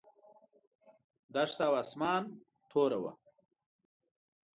دښته او اسمان توره وه.